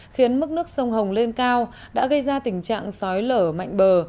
khiến mức nước sông hồng lên cao đã gây ra tình trạng sói lở mạnh bờ